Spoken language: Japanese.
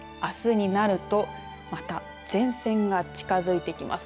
あすになるとまた前線が近づいてきます。